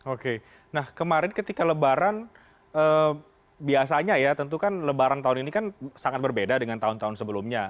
oke nah kemarin ketika lebaran biasanya ya tentu kan lebaran tahun ini kan sangat berbeda dengan tahun tahun sebelumnya